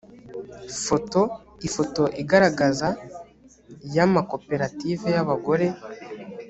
photo ifoto igaragaza y amakoperative y abagore